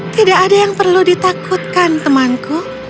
tidak ada yang perlu ditakutkan temanku